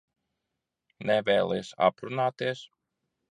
Nevēlies aprunāties?